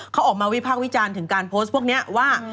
เขาออกมาวิพากษ์วิจารณ์ถึงการโพสต์พวกนี้ว่า